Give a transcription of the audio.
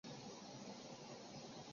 库菲人口变化图示